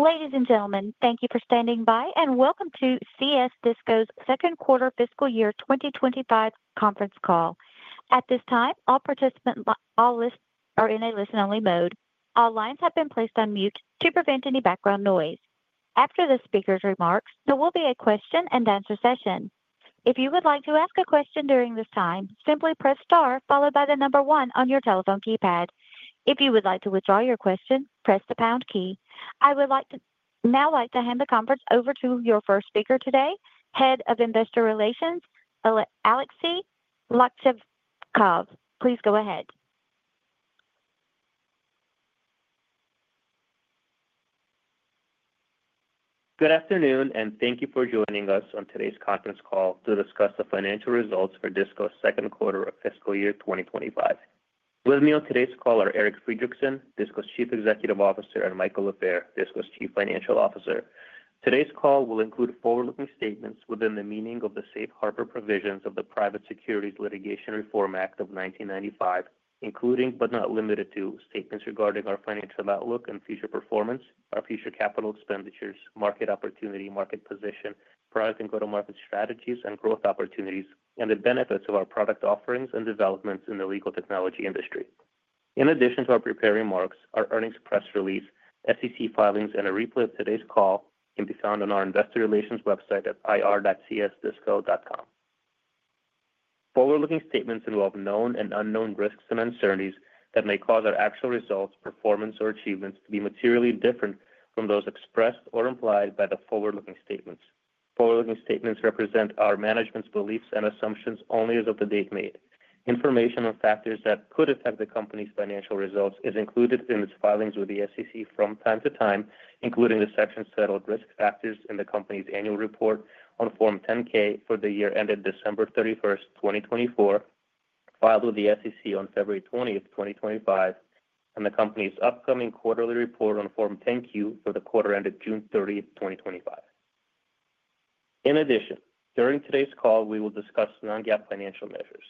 Ladies and gentlemen, thank you for standing by and welcome to CS Disco's second quarter fiscal year 2025 conference call. At this time, all participants, all listeners are in a listen-only mode. All lines have been placed on mute to prevent any background noise. After the speaker's remarks, there will be a question and answer session. If you would like to ask a question during this time, simply press star, followed by the number one on your telephone keypad. If you would like to withdraw your question, press the pound key. I would now like to hand the conference over to your first speaker today, Head of Investor Relations, Aleksey Lakchakov. Please go ahead. Good afternoon, and thank you for joining us on today's conference call to discuss the financial results for CS Disco's second quarter of fiscal year 2025. With me on today's call are Eric Friedrichsen, CS Disco's Chief Executive Officer, and Michael Lafair, CS Disco's Chief Financial Officer. Today's call will include forward-looking statements within the meaning of the Safe Harbor provisions of the Private Securities Litigation Reform Act of 1995, including but not limited to statements regarding our financial outlook and future performance, our future capital expenditures, market opportunity, market position, product and go-to-market strategies, growth opportunities, and the benefits of our product offerings and developments in the legal technology industry. In addition to our prepared remarks, our earnings press release, SEC filings, and a replay of today's call can be found on our Investor Relations website at ir.csdisco.com. Forward-looking statements involve known and unknown risks and uncertainties that may cause our actual results, performance, or achievements to be materially different from those expressed or implied by the forward-looking statements. Forward-looking statements represent our management's beliefs and assumptions only as of the date made. Information on factors that could affect the company's financial results is included in its filings with the SEC from time to time, including the sections titled Risk Factors in the Company's Annual Report on Form 10-K for the year ended December 31, 2024, filed with the SEC on February 20, 2025, and the Company's upcoming Quarterly Report on Form 10-Q for the quarter ended June 30, 2025. In addition, during today's call, we will discuss non-GAAP financial measures.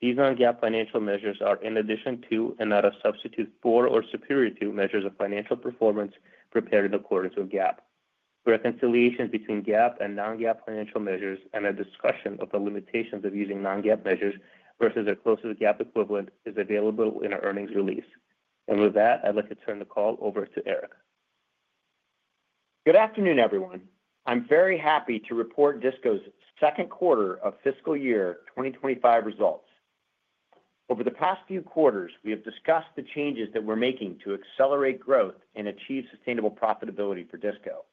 These non-GAAP financial measures are in addition to and not a substitute for or superior to measures of financial performance prepared in accordance with GAAP. Reconciliations between GAAP and non-GAAP financial measures and a discussion of the limitations of using non-GAAP measures versus their closest GAAP equivalent is available in our earnings release. With that, I'd like to turn the call over to Eric. Good afternoon, everyone. I'm very happy to report CS Disco's second quarter of fiscal year 2025 results. Over the past few quarters, we have discussed the changes that we're making to accelerate growth and achieve sustainable profitability for CS Disco,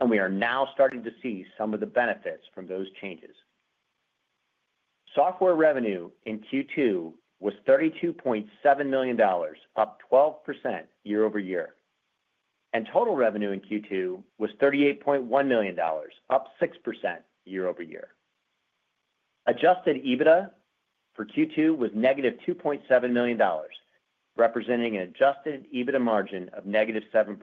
and we are now starting to see some of the benefits from those changes. Software revenue in Q2 was $32.7 million, up 12% year over year, and total revenue in Q2 was $38.1 million, up 6% year over year. Adjusted EBITDA for Q2 was negative $2.7 million, representing an adjusted EBITDA margin of negative 7%,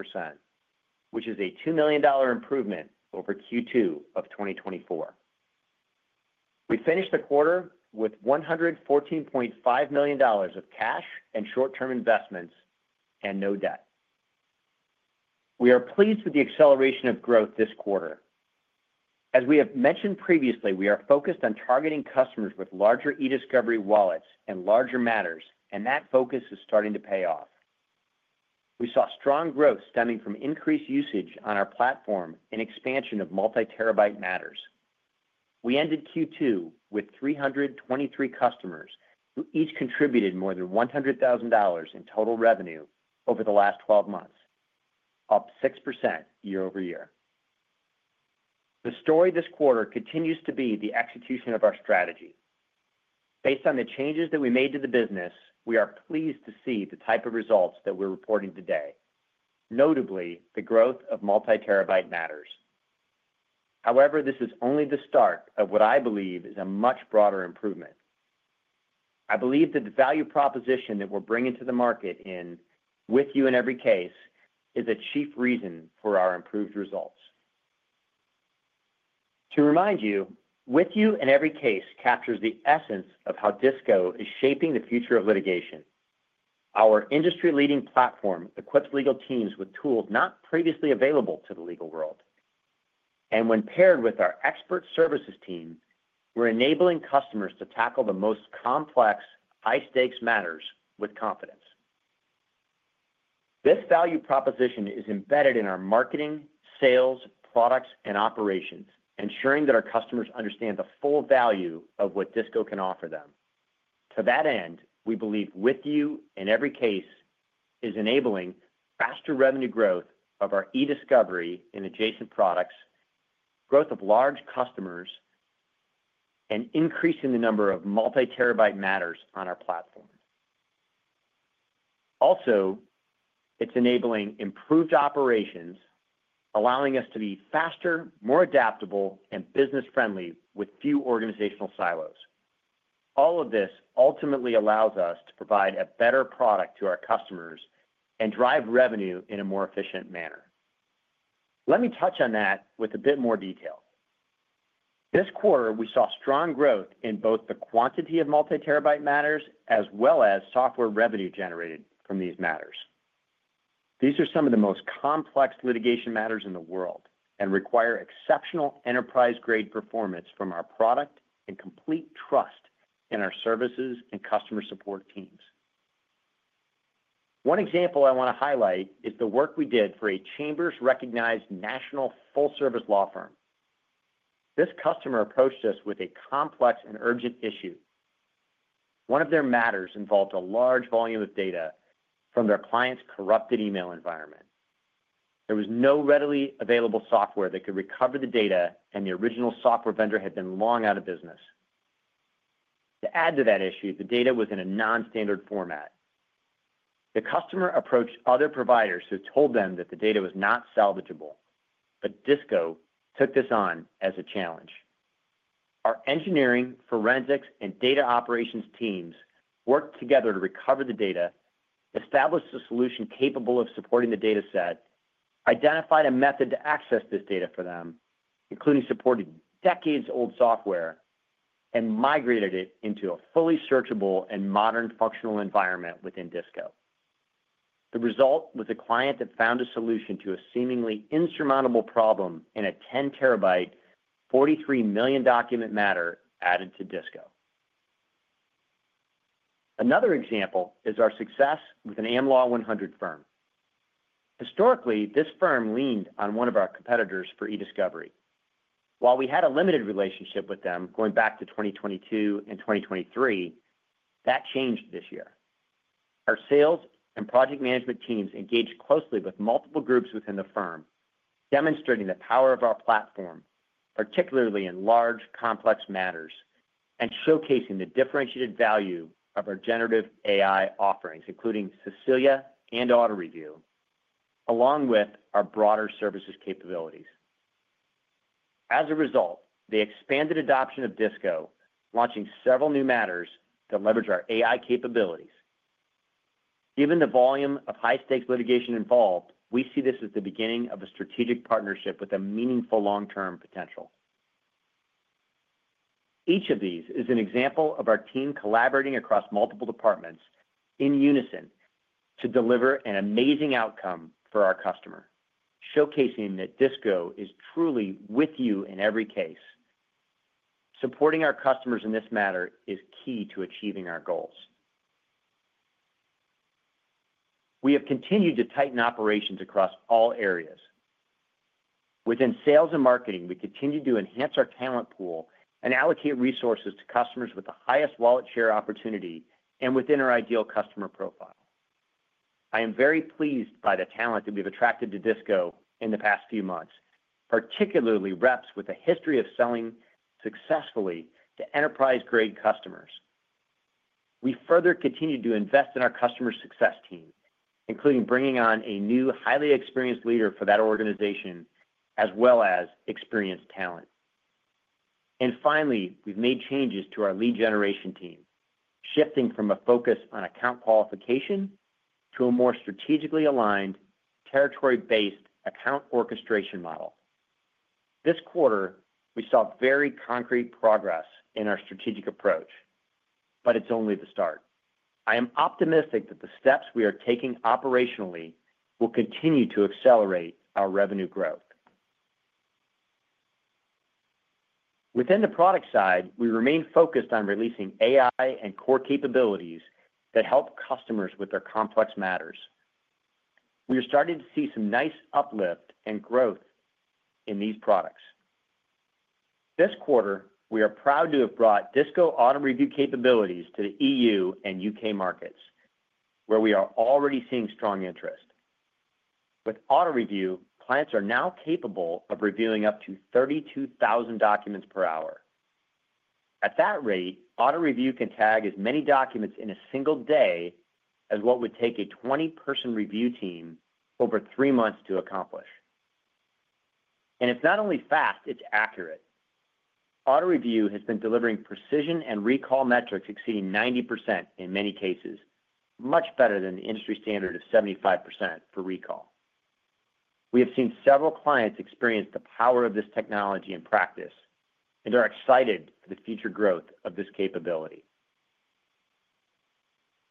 which is a $2 million improvement over Q2 of 2024. We finished the quarter with $114.5 million of cash and short-term investments and no debt. We are pleased with the acceleration of growth this quarter. As we have mentioned previously, we are focused on targeting customers with larger e-discovery wallets and larger matters, and that focus is starting to pay off. We saw strong growth stemming from increased usage on our platform and expansion of multi-terabyte matters. We ended Q2 with 323 customers who each contributed more than $100,000 in total revenue over the last 12 months, up 6% year over year. The story this quarter continues to be the execution of our strategy. Based on the changes that we made to the business, we are pleased to see the type of results that we're reporting today, notably the growth of multi-terabyte matters. However, this is only the start of what I believe is a much broader improvement. I believe that the value proposition that we're bringing to the market in With You In Every Case is a chief reason for our improved results. To remind you, With You In Every Case captures the essence of how CS Disco is shaping the future of litigation. Our industry-leading platform equips legal teams with tools not previously available to the legal world. When paired with our expert services team, we're enabling customers to tackle the most complex high-stakes matters with confidence. This value proposition is embedded in our marketing, sales, products, and operations, ensuring that our customers understand the full value of what CS Disco can offer them. To that end, we believe With You In Every Case is enabling faster revenue growth of our e-discovery and adjacent products, growth of large customers, and increasing the number of multi-terabyte matters on our platform. Also, it's enabling improved operations, allowing us to be faster, more adaptable, and business-friendly with few organizational silos. All of this ultimately allows us to provide a better product to our customers and drive revenue in a more efficient manner. Let me touch on that with a bit more detail. This quarter, we saw strong growth in both the quantity of multi-terabyte matters as well as software revenue generated from these matters. These are some of the most complex litigation matters in the world and require exceptional enterprise-grade performance from our product and complete trust in our services and customer support teams. One example I want to highlight is the work we did for a Chambers-recognized national full-service law firm. This customer approached us with a complex and urgent issue. One of their matters involved a large volume of data from their client's corrupted email environment. There was no readily available software that could recover the data, and the original software vendor had been long out of business. To add to that issue, the data was in a non-standard format. The customer approached other providers who told them that the data was not salvageable, but CS Disco took this on as a challenge. Our engineering, forensics, and data operations teams worked together to recover the data, established a solution capable of supporting the dataset, identified a method to access this data for them, including supporting decades-old software, and migrated it into a fully searchable and modern functional environment within CS Disco. The result was a client that found a solution to a seemingly insurmountable problem in a 10-terabyte, 43 million document matter added to CS Disco. Another example is our success with an AMLAW 100 firm. Historically, this firm leaned on one of our competitors for e-discovery. While we had a limited relationship with them going back to 2022 and 2023, that changed this year. Our sales and project management teams engaged closely with multiple groups within the firm, demonstrating the power of our platform, particularly in large, complex matters, and showcasing the differentiated value of our generative AI offerings, including Cecilia and Auto Review, along with our broader services capabilities. As a result, they expanded adoption of CS Disco, launching several new matters to leverage our AI capabilities. Given the volume of high-stakes litigation involved, we see this as the beginning of a strategic partnership with a meaningful long-term potential. Each of these is an example of our team collaborating across multiple departments in unison to deliver an amazing outcome for our customer, showcasing that CS Disco is truly with you in every case. Supporting our customers in this matter is key to achieving our goals. We have continued to tighten operations across all areas. Within sales and marketing, we continue to enhance our talent pool and allocate resources to customers with the highest wallet share opportunity and within our ideal customer profile. I am very pleased by the talent that we have attracted to CS Disco in the past few months, particularly reps with a history of selling successfully to enterprise-grade customers. We further continue to invest in our customer success team, including bringing on a new, highly experienced leader for that organization, as well as experienced talent. Finally, we've made changes to our lead generation team, shifting from a focus on account qualification to a more strategically aligned, territory-based account orchestration model. This quarter, we saw very concrete progress in our strategic approach, but it's only the start. I am optimistic that the steps we are taking operationally will continue to accelerate our revenue growth. Within the product side, we remain focused on releasing AI and core capabilities that help customers with their complex matters. We are starting to see some nice uplift and growth in these products. This quarter, we are proud to have brought CS Disco Auto Review capabilities to the EU and UK markets, where we are already seeing strong interest. With Auto Review, clients are now capable of reviewing up to 32,000 documents per hour. At that rate, Auto Review can tag as many documents in a single day as what would take a 20-person review team over three months to accomplish. It's not only fast, it's accurate. Auto Review has been delivering precision and recall metrics exceeding 90% in many cases, much better than the industry standard of 75% for recall. We have seen several clients experience the power of this technology in practice, and they're excited for the future growth of this capability.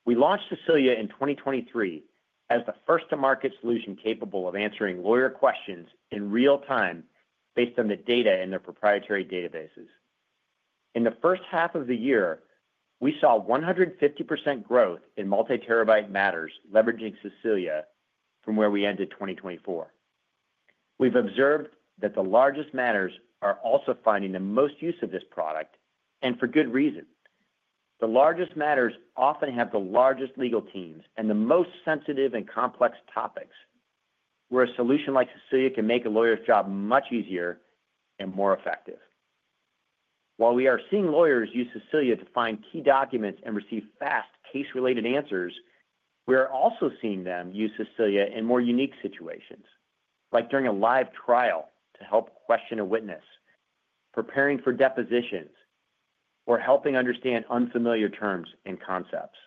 We launched Cecilia in 2023 as the first-to-market solution capable of answering lawyer questions in real time based on the data in their proprietary databases. In the first half of the year, we saw 150% growth in multi-terabyte matters leveraging Cecilia from where we ended 2024. We've observed that the largest matters are also finding the most use of this product, and for good reason. The largest matters often have the largest legal teams and the most sensitive and complex topics, where a solution like Cecilia can make a lawyer's job much easier and more effective. While we are seeing lawyers use Cecilia to find key documents and receive fast case-related answers, we are also seeing them use Cecilia in more unique situations, like during a live trial to help question a witness, preparing for depositions, or helping understand unfamiliar terms and concepts.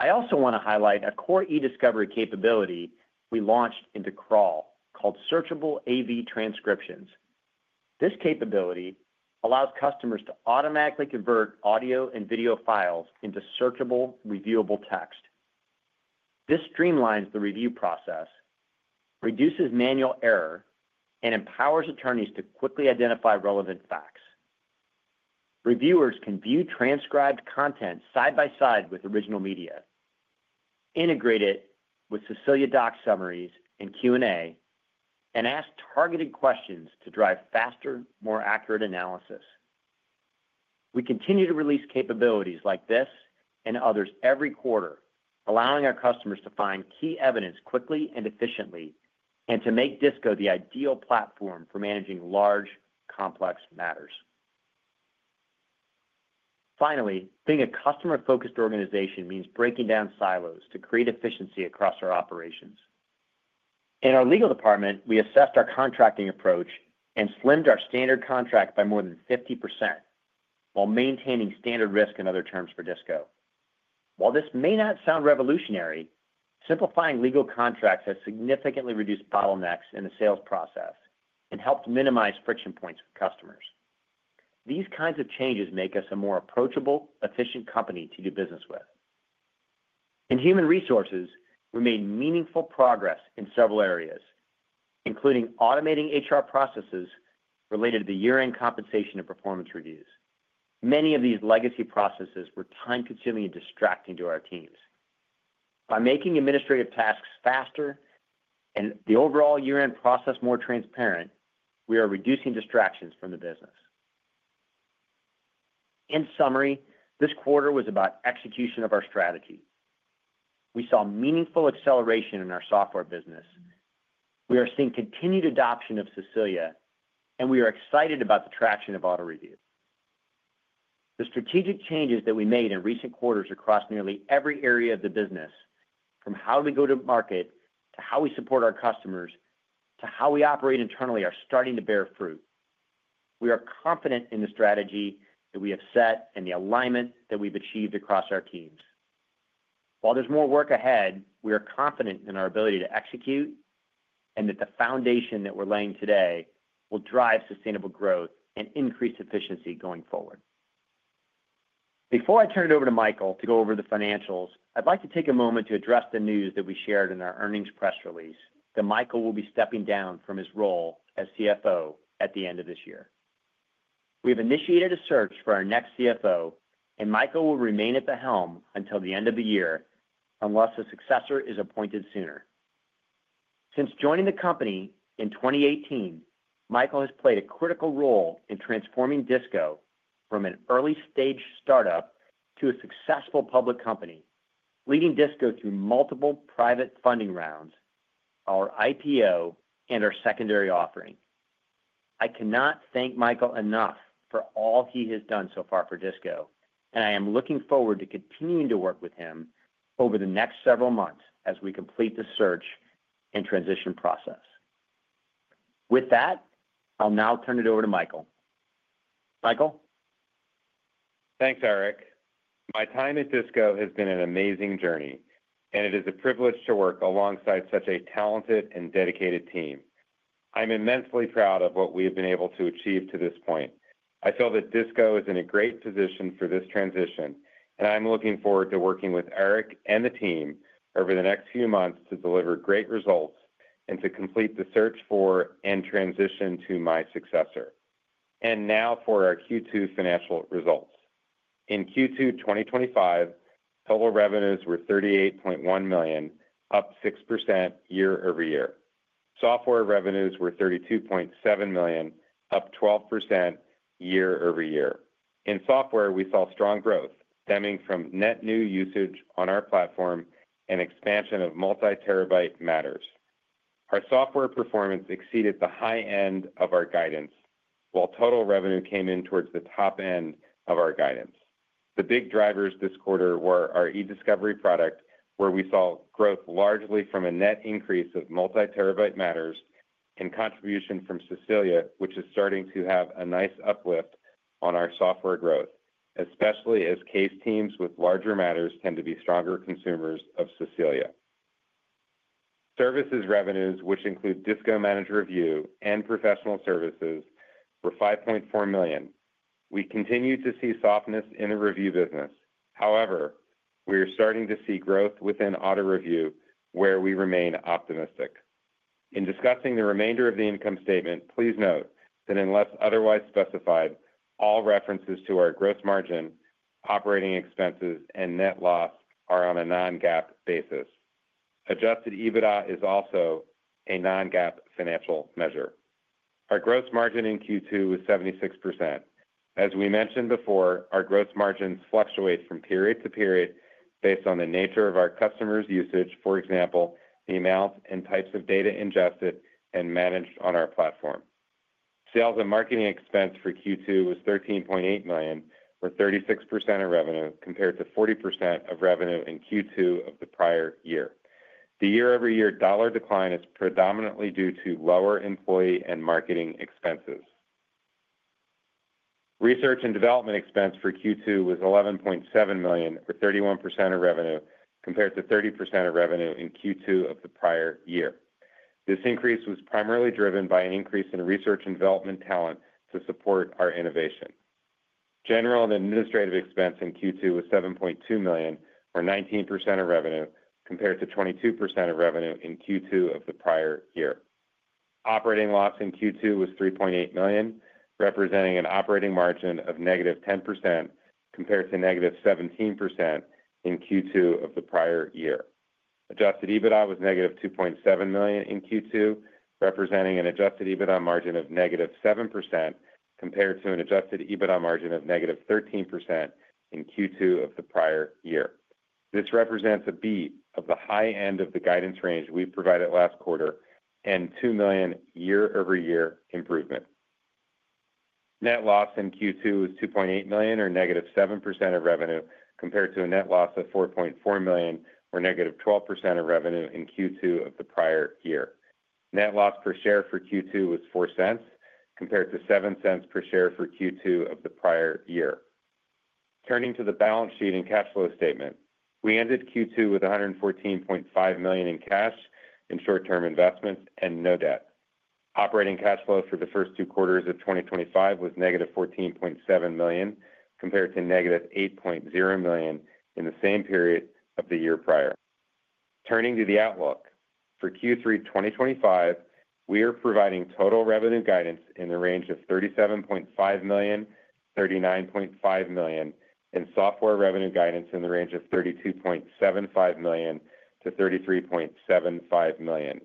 I also want to highlight a core e-discovery capability we launched into Crawl called Searchable AV Transcriptions. This capability allows customers to automatically convert audio and video files into searchable, reviewable text. This streamlines the review process, reduces manual error, and empowers attorneys to quickly identify relevant facts. Reviewers can view transcribed content side by side with original media, integrate it with Cecilia doc summaries and Q&A, and ask targeted questions to drive faster, more accurate analysis. We continue to release capabilities like this and others every quarter, allowing our customers to find key evidence quickly and efficiently and to make CS Disco the ideal platform for managing large, complex matters. Finally, being a customer-focused organization means breaking down silos to create efficiency across our operations. In our legal department, we assessed our contracting approach and slimmed our standard contract by more than 50% while maintaining standard risk and other terms for CS Disco. While this may not sound revolutionary, simplifying legal contracts has significantly reduced bottlenecks in the sales process and helped minimize friction points with customers. These kinds of changes make us a more approachable, efficient company to do business with. In human resources, we made meaningful progress in several areas, including automating HR processes related to the year-end compensation and performance reviews. Many of these legacy processes were time-consuming and distracting to our teams. By making administrative tasks faster and the overall year-end process more transparent, we are reducing distractions from the business. In summary, this quarter was about execution of our strategy. We saw meaningful acceleration in our software business. We are seeing continued adoption of Cecilia, and we are excited about the traction of Auto Review. The strategic changes that we made in recent quarters across nearly every area of the business, from how we go to market to how we support our customers to how we operate internally, are starting to bear fruit. We are confident in the strategy that we have set and the alignment that we've achieved across our teams. While there's more work ahead, we are confident in our ability to execute and that the foundation that we're laying today will drive sustainable growth and increase efficiency going forward. Before I turn it over to Michael to go over the financials, I'd like to take a moment to address the news that we shared in our earnings press release that Michael will be stepping down from his role as CFO at the end of this year. We have initiated a search for our next CFO, and Michael will remain at the helm until the end of the year unless a successor is appointed sooner. Since joining the company in 2018, Michael has played a critical role in transforming CS Disco from an early-stage startup to a successful public company, leading CS Disco through multiple private funding rounds, our IPO, and our secondary offering. I cannot thank Michael enough for all he has done so far for CS Disco, and I am looking forward to continuing to work with him over the next several months as we complete the search and transition process. With that, I'll now turn it over to Michael. Michael? Thanks, Eric. My time at CS Disco has been an amazing journey, and it is a privilege to work alongside such a talented and dedicated team. I'm immensely proud of what we have been able to achieve to this point. I feel that CS Disco is in a great position for this transition, and I'm looking forward to working with Eric and the team over the next few months to deliver great results and to complete the search for and transition to my successor. Now for our Q2 financial results. In Q2 2025, total revenues were $38.1 million, up 6% year over year. Software revenues were $32.7 million, up 12% year over year. In software, we saw strong growth stemming from net new usage on our platform and expansion of multi-terabyte matters. Our software performance exceeded the high end of our guidance, while total revenue came in towards the top end of our guidance. The big drivers this quarter were our e-discovery product, where we saw growth largely from a net increase of multi-terabyte matters, and contribution from Cecilia, which is starting to have a nice uplift on our software growth, especially as case teams with larger matters tend to be stronger consumers of Cecilia. Services revenues, which include Disco Managed Review and Professional Services, were $5.4 million. We continue to see softness in the review business. However, we are starting to see growth within Auto Review, where we remain optimistic. In discussing the remainder of the income statement, please note that unless otherwise specified, all references to our gross margin, operating expenses, and net loss are on a non-GAAP basis. Adjusted EBITDA is also a non-GAAP financial measure. Our gross margin in Q2 was 76%. As we mentioned before, our gross margins fluctuate from period to period based on the nature of our customers' usage, for example, the amount and types of data ingested and managed on our platform. Sales and marketing expense for Q2 was $13.8 million, or 36% of revenue compared to 40% of revenue in Q2 of the prior year. The year-over-year dollar decline is predominantly due to lower employee and marketing expenses. Research and development expense for Q2 was $11.7 million, or 31% of revenue compared to 30% of revenue in Q2 of the prior year. This increase was primarily driven by an increase in research and development talent to support our innovation. General and administrative expense in Q2 was $7.2 million, or 19% of revenue compared to 22% of revenue in Q2 of the prior year. Operating loss in Q2 was $3.8 million, representing an operating margin of -10% compared to -17% in Q2 of the prior year. Adjusted EBITDA was -$2.7 million in Q2, representing an adjusted EBITDA margin of -7% compared to an adjusted EBITDA margin of -13% in Q2 of the prior year. This represents a beat of the high end of the guidance range we provided last quarter and $2 million year-over-year improvement. Net loss in Q2 was $2.8 million, or -7% of revenue compared to a net loss of $4.4 million, or -12% of revenue in Q2 of the prior year. Net loss per share for Q2 was $0.04 compared to $0.07 per share for Q2 of the prior year. Turning to the balance sheet and cash flow statement, we ended Q2 with $114.5 million in cash, in short-term investments, and no debt. Operating cash flow for the first two quarters of 2025 was -$14.7 million compared to -$8.0 million in the same period of the year prior. Turning to the outlook for Q3 2025, we are providing total revenue guidance in the range of $37.5 million-$39.5 million, and software revenue guidance in the range of $32.75 million-$33.75 million.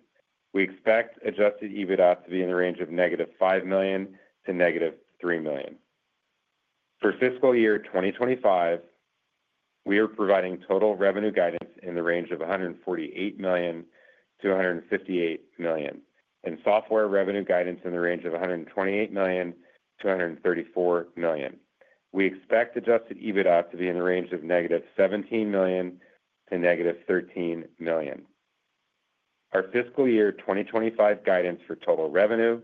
We expect adjusted EBITDA to be in the range of -$5 million to -$3 million. For fiscal year 2025, we are providing total revenue guidance in the range of $148 million-$158 million, and software revenue guidance in the range of $128 million-$134 million. We expect adjusted EBITDA to be in the range of -$17 million to -$13 million. Our fiscal year 2025 guidance for total revenue,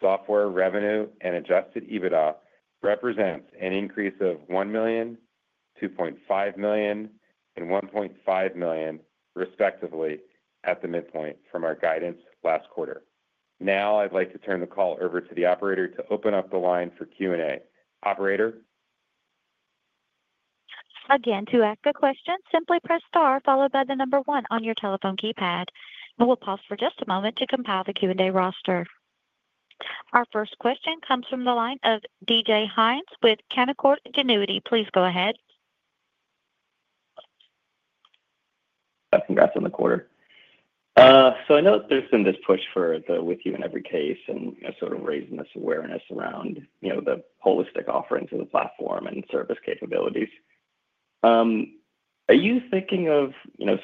software revenue, and adjusted EBITDA represents an increase of $1 million, $2.5 million, and $1.5 million, respectively, at the midpoint from our guidance last quarter. Now I'd like to turn the call over to the operator to open up the line for Q&A. Operator? Again, to ask a question, simply press star followed by the number one on your telephone keypad. We will pause for just a moment to compile the Q&A roster. Our first question comes from the line of David Hynes with Canaccord Genuity. Please go ahead. I think that's in the quarter. I know that there's been this push for the With You In Every Case and sort of raising this awareness around the holistic offerings of the platform and service capabilities. Are you thinking of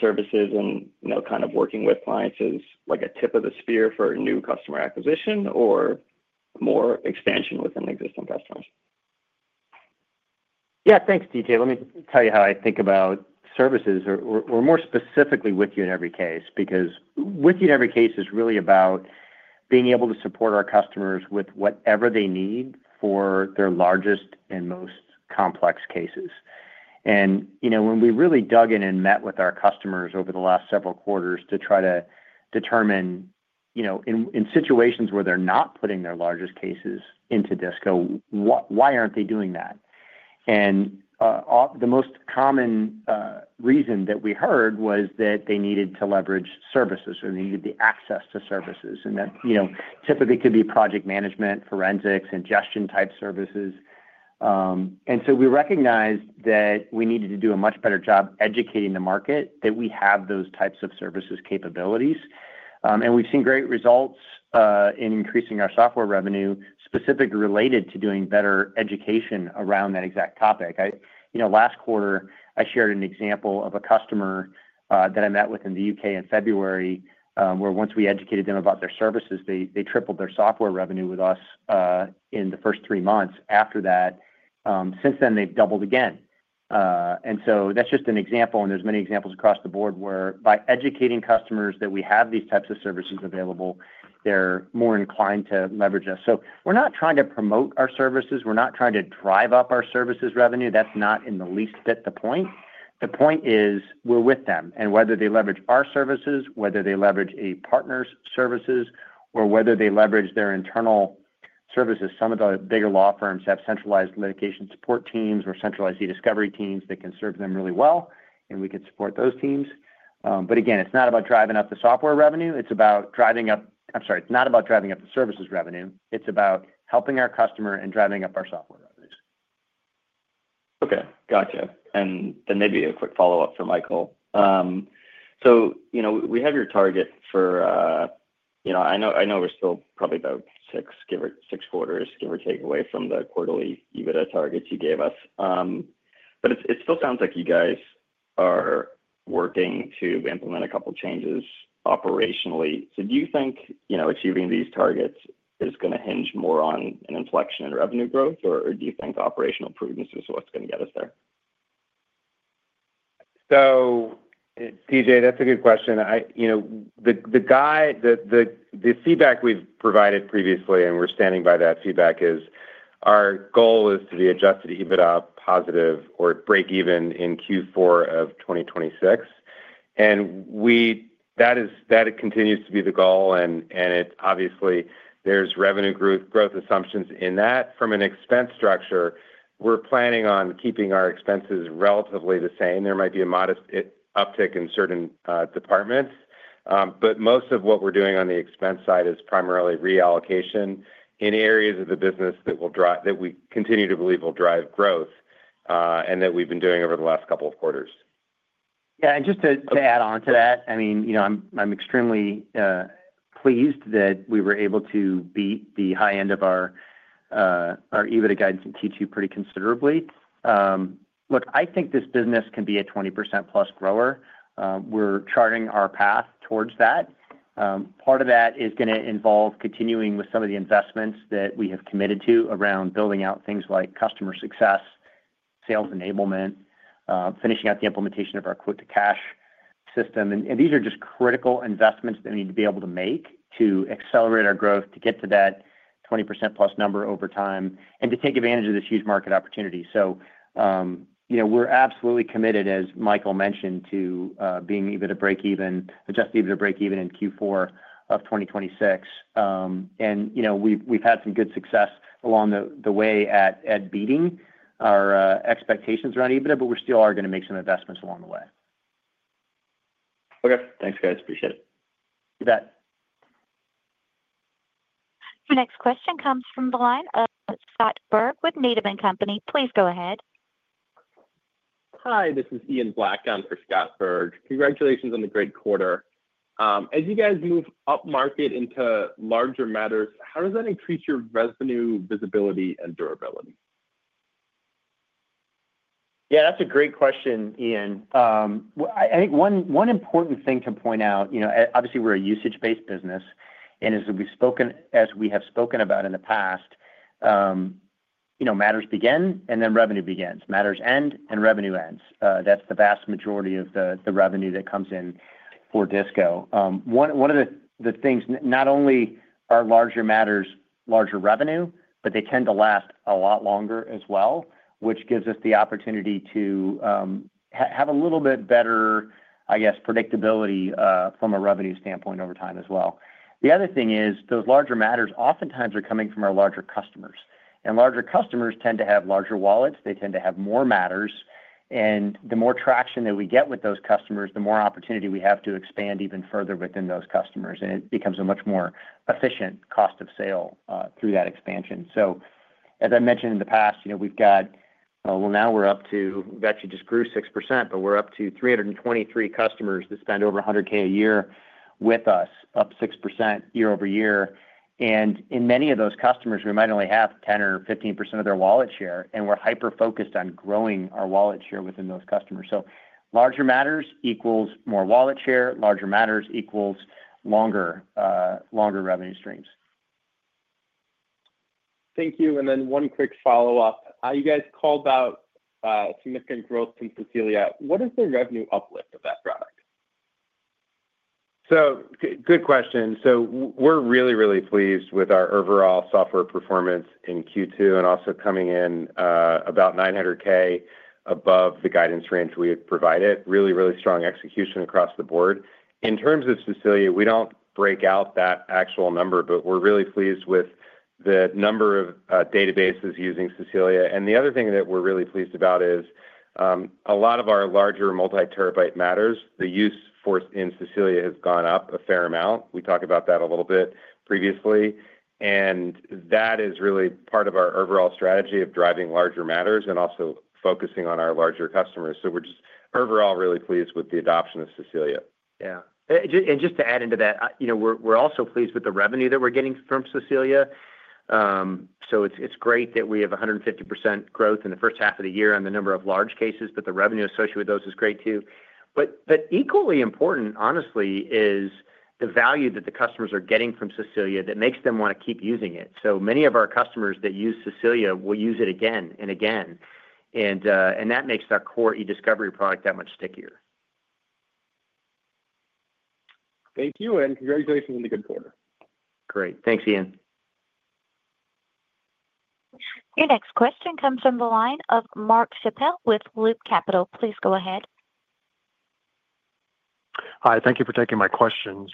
services and kind of working with clients as like a tip of the spear for a new customer acquisition or more expansion within existing customers? Yeah, thanks, DJ. Let me tell you how I think about services, or more specifically With You In Every Case, because With You In Every Case is really about being able to support our customers with whatever they need for their largest and most complex cases. When we really dug in and met with our customers over the last several quarters to try to determine, in situations where they're not putting their largest cases into CS Disco, why aren't they doing that? The most common reason that we heard was that they needed to leverage services or they needed the access to services. That typically could be project management, forensics, and ingestion type services. We recognized that we needed to do a much better job educating the market that we have those types of services capabilities. We've seen great results in increasing our software revenue specifically related to doing better education around that exact topic. Last quarter, I shared an example of a customer that I met with in the UK in February, where once we educated them about their services, they tripled their software revenue with us in the first three months. After that, since then, they've doubled again. That's just an example. There are many examples across the board where, by educating customers that we have these types of services available, they're more inclined to leverage us. We're not trying to promote our services. We're not trying to drive up our services revenue. That's not in the least bit the point. The point is we're with them. Whether they leverage our services, whether they leverage a partner's services, or whether they leverage their internal services, some of the bigger law firms have centralized litigation support teams or centralized e-discovery teams that can serve them really well, and we can support those teams. Again, it's not about driving up the services revenue. It's about helping our customer and driving up our software revenues. Okay. Gotcha. Maybe a quick follow-up for Michael. We have your target for, you know, I know we're still probably about six quarters, give or take, away from the quarterly EBITDA targets you gave us. It still sounds like you guys are working to implement a couple of changes operationally. Do you think achieving these targets is going to hinge more on an inflection in revenue growth, or do you think operational prudence is what's going to get us there? That's a good question. The feedback we've provided previously, and we're standing by that feedback, is our goal is to be adjusted EBITDA positive or break even in Q4 of 2026. That continues to be the goal. It's obviously, there's revenue growth assumptions in that. From an expense structure, we're planning on keeping our expenses relatively the same. There might be a modest uptick in certain departments. Most of what we're doing on the expense side is primarily reallocation in areas of the business that we continue to believe will drive growth and that we've been doing over the last couple of quarters. Yeah, and just to add on to that, I'm extremely pleased that we were able to beat the high end of our EBITDA guidance and keep you pretty considerably. I think this business can be a 20% plus grower. We're charting our path towards that. Part of that is going to involve continuing with some of the investments that we have committed to around building out things like customer success, sales enablement, finishing out the implementation of our quote-to-cash system. These are just critical investments that we need to be able to make to accelerate our growth to get to that 20% plus number over time and to take advantage of this huge market opportunity. We're absolutely committed, as Michael mentioned, to being able to break even, adjusted EBITDA break even in Q4 of 2026. We've had some good success along the way at beating our expectations around EBITDA, but we still are going to make some investments along the way. Okay, thanks, guys. Appreciate it. You bet. The next question comes from the line of Scott Berg with Needham and Company. Please go ahead. Hi, this is Ian Black. I'm for Scott Berg. Congratulations on the great quarter. As you guys move up market into larger matters, how does that increase your revenue visibility and durability? Yeah, that's a great question, Ian. I think one important thing to point out, you know, obviously, we're a usage-based business. As we have spoken about in the past, you know, matters begin and then revenue begins. Matters end and revenue ends. That's the vast majority of the revenue that comes in for CS Disco. One of the things, not only are larger matters larger revenue, but they tend to last a lot longer as well, which gives us the opportunity to have a little bit better, I guess, predictability from a revenue standpoint over time as well. The other thing is those larger matters oftentimes are coming from our larger customers. Larger customers tend to have larger wallets. They tend to have more matters. The more traction that we get with those customers, the more opportunity we have to expand even further within those customers. It becomes a much more efficient cost of sale through that expansion. As I mentioned in the past, you know, we've got, well, now we're up to, we've actually just grew 6%, but we're up to 323 customers that spend over $100,000 a year with us, up 6% year over year. In many of those customers, we might only have 10% or 15% of their wallet share, and we're hyper-focused on growing our wallet share within those customers. Larger matters equals more wallet share. Larger matters equals longer revenue streams. Thank you. One quick follow-up. You guys called out significant growth in Cecilia. What is the revenue uplift of that product? Good question. We're really, really pleased with our overall software performance in Q2 and also coming in about $900,000 above the guidance range we have provided. Really, really strong execution across the board. In terms of Cecilia, we don't break out that actual number, but we're really pleased with the number of databases using Cecilia. The other thing that we're really pleased about is a lot of our larger multi-terabyte matters, the use force in Cecilia has gone up a fair amount. We talked about that a little bit previously. That is really part of our overall strategy of driving larger matters and also focusing on our larger customers. We're just overall really pleased with the adoption of Cecilia. Yeah, just to add into that, we're also pleased with the revenue that we're getting from Cecilia. It's great that we have 150% growth in the first half of the year on the number of large cases, and the revenue associated with those is great too. Equally important, honestly, is the value that the customers are getting from Cecilia that makes them want to keep using it. Many of our customers that use Cecilia will use it again and again, and that makes our core e-discovery product that much stickier. Thank you, and congratulations on the good quarter. Great. Thanks, Ian. Your next question comes from the line of Mark Schappel with Loop Capital Markets. Please go ahead. Hi, thank you for taking my questions.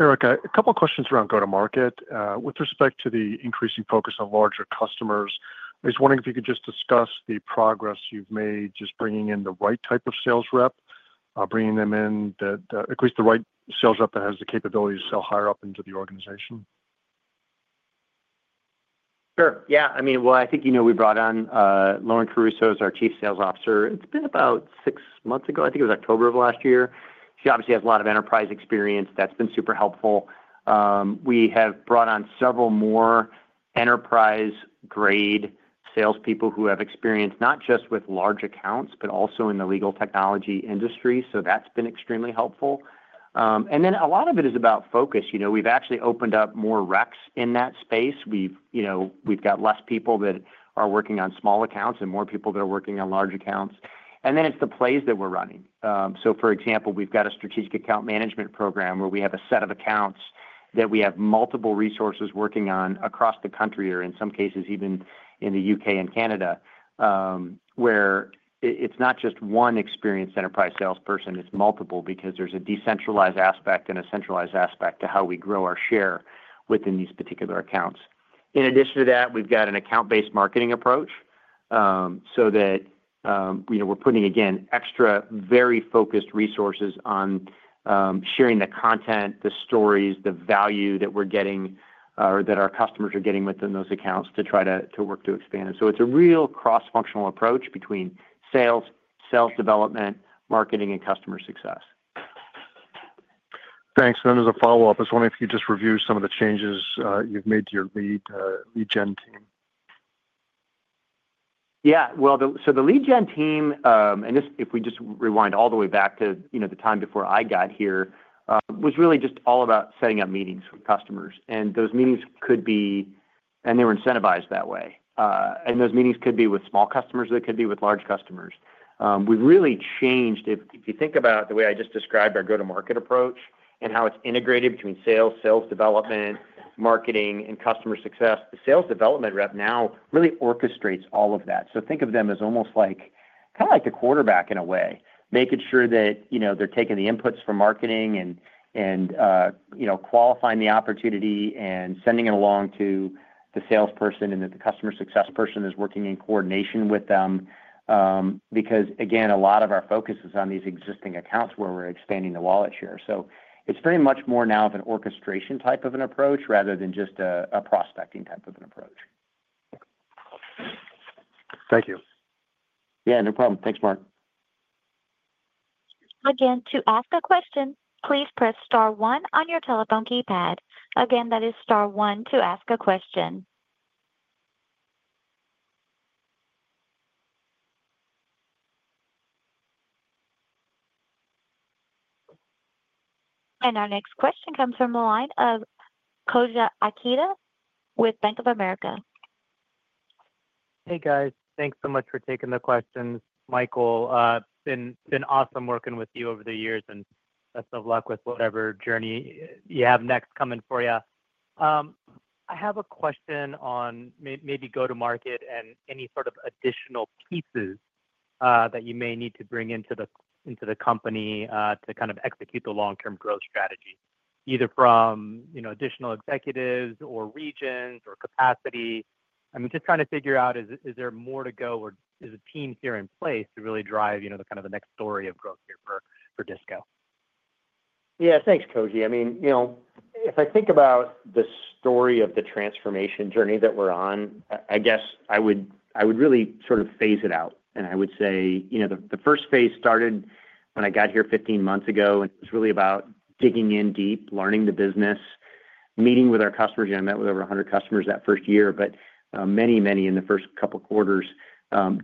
Eric, a couple of questions around go-to-market. With respect to the increasing focus on larger customers, I was wondering if you could just discuss the progress you've made bringing in the right type of sales rep, at least the right sales rep that has the capability to sell higher up into the organization. Sure. I mean, we brought on Lauren Caruso as our Chief Sales Officer. It's been about six months ago. I think it was October of last year. She obviously has a lot of enterprise experience. That's been super helpful. We have brought on several more enterprise-grade salespeople who have experience not just with large accounts, but also in the legal technology industry. That's been extremely helpful. A lot of it is about focus. We've actually opened up more reps in that space. We've got less people that are working on small accounts and more people that are working on large accounts. It's the plays that we're running. For example, we've got a strategic account management program where we have a set of accounts that we have multiple resources working on across the country, or in some cases even in the UK and Canada, where it's not just one experienced enterprise salesperson. It's multiple because there's a decentralized aspect and a centralized aspect to how we grow our share within these particular accounts. In addition to that, we've got an account-based marketing approach so that we're putting, again, extra, very focused resources on sharing the content, the stories, the value that we're getting, or that our customers are getting within those accounts to try to work to expand it. It's a real cross-functional approach between sales, sales development, marketing, and customer success. Thank you. As a follow-up, I was wondering if you could just review some of the changes you've made to your lead generation team. Yeah, the lead gen team, if we just rewind all the way back to the time before I got here, was really just all about setting up meetings with customers. Those meetings could be, and they were incentivized that way. Those meetings could be with small customers, they could be with large customers. We've really changed, if you think about the way I just described our go-to-market approach and how it's integrated between sales, sales development, marketing, and customer success. The sales development rep now really orchestrates all of that. Think of them as almost like a quarterback in a way, making sure that they're taking the inputs from marketing and qualifying the opportunity and sending it along to the salesperson, and that the customer success person is working in coordination with them. Again, a lot of our focus is on these existing accounts where we're expanding the wallet share. It's very much more now of an orchestration type of an approach rather than just a prospecting type of an approach. Thank you. Yeah, no problem. Thanks, Mark. Again, to ask a question, please press star one on your telephone keypad. Again, that is star one to ask a question. Our next question comes from the line of Koji Ikeda with Bank of America. Hey, guys. Thanks so much for taking the questions. Michael, it's been awesome working with you over the years, and best of luck with whatever journey you have next coming for you. I have a question on maybe go-to-market and any sort of additional pieces that you may need to bring into the company to kind of execute the long-term growth strategy, either from additional executives or regions or capacity. I'm just trying to figure out, is there more to go, or is the team here in place to really drive the kind of the next story of growth here for CS Disco? Yeah, thanks, Koji. If I think about the story of the transformation journey that we're on, I would really sort of phase it out. I would say the first phase started when I got here 15 months ago, and it was really about digging in deep, learning the business, meeting with our customers. I met with over 100 customers that first year, but many in the first couple of quarters,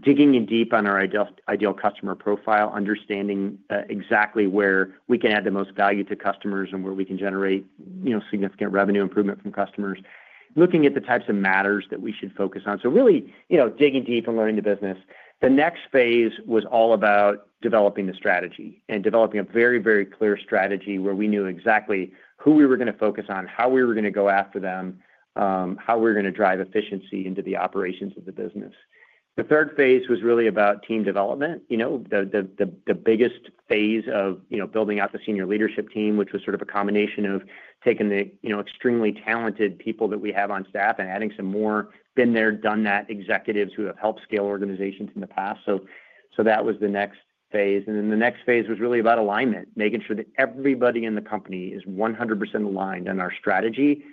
digging in deep on our ideal customer profile, understanding exactly where we can add the most value to customers and where we can generate significant revenue improvement from customers, looking at the types of matters that we should focus on. Really digging deep and learning the business. The next phase was all about developing the strategy and developing a very, very clear strategy where we knew exactly who we were going to focus on, how we were going to go after them, how we were going to drive efficiency into the operations of the business. The third phase was really about team development. The biggest phase of building out the senior leadership team, which was sort of a combination of taking the extremely talented people that we have on staff and adding some more been there, done that executives who have helped scale organizations in the past. That was the next phase. The next phase was really about alignment, making sure that everybody in the company is 100% aligned on our strategy.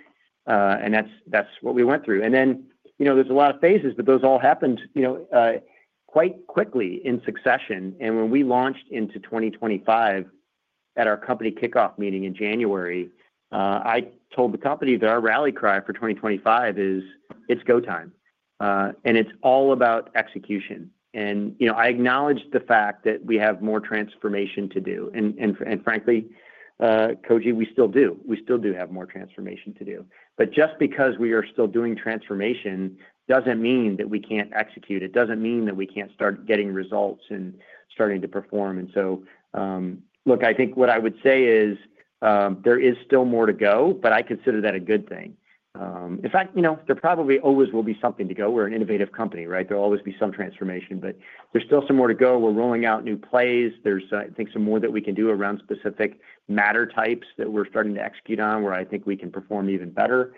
That's what we went through. There are a lot of phases, but those all happened quite quickly in succession. When we launched into 2025 at our company kickoff meeting in January, I told the company that our rally cry for 2025 is it's go time. It's all about execution. I acknowledged the fact that we have more transformation to do. Frankly, Koji, we still do. We still do have more transformation to do. Just because we are still doing transformation doesn't mean that we can't execute. It doesn't mean that we can't start getting results and starting to perform. I think what I would say is there is still more to go, but I consider that a good thing. In fact, there probably always will be something to go. We're an innovative company, right? There will always be some transformation, but there's still some more to go. We're rolling out new plays. I think there's some more that we can do around specific matter types that we're starting to execute on where I think we can perform even better.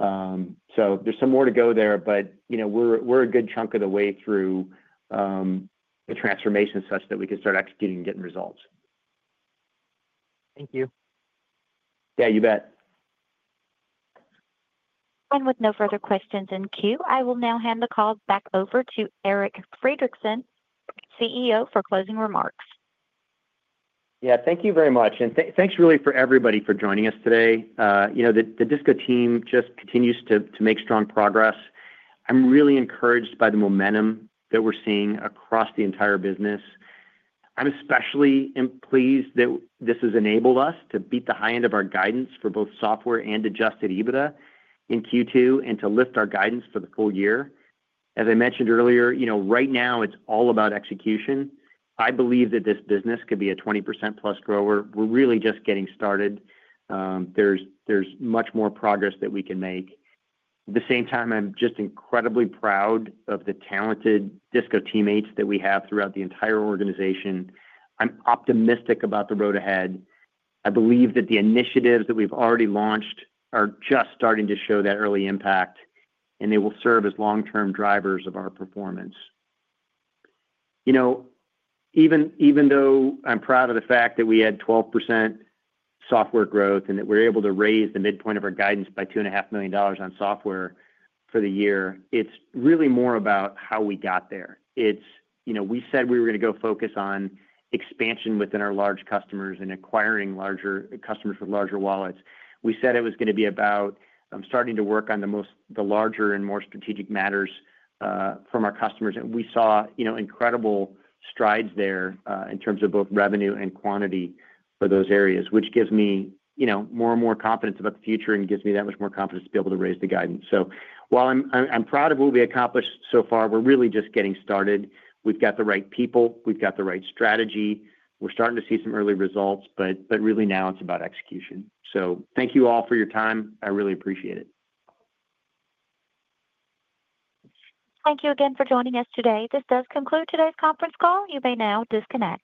There's some more to go there, but we're a good chunk of the way through the transformation such that we can start executing and getting results. Thank you. Yeah, you bet. With no further questions in queue, I will now hand the call back over to Eric Friedrichsen, CEO, for closing remarks. Thank you very much. Thanks really for everybody for joining us today. The CS Disco team just continues to make strong progress. I'm really encouraged by the momentum that we're seeing across the entire business. I'm especially pleased that this has enabled us to beat the high end of our guidance for both software and adjusted EBITDA in Q2 and to lift our guidance for the full year. As I mentioned earlier, right now it's all about execution. I believe that this business could be a 20% plus grower. We're really just getting started. There's much more progress that we can make. At the same time, I'm just incredibly proud of the talented CS Disco teammates that we have throughout the entire organization. I'm optimistic about the road ahead. I believe that the initiatives that we've already launched are just starting to show that early impact, and they will serve as long-term drivers of our performance. Even though I'm proud of the fact that we had 12% software growth and that we're able to raise the midpoint of our guidance by $2.5 million on software for the year, it's really more about how we got there. We said we were going to go focus on expansion within our large customers and acquiring larger customers with larger wallets. We said it was going to be about starting to work on the most, the larger and more strategic matters from our customers. We saw incredible strides there in terms of both revenue and quantity for those areas, which gives me more and more confidence about the future and gives me that much more confidence to be able to raise the guidance. While I'm proud of what we accomplished so far, we're really just getting started. We've got the right people. We've got the right strategy. We're starting to see some early results, but really now it's about execution. Thank you all for your time. I really appreciate it. Thank you again for joining us today. This does conclude today's conference call. You may now disconnect.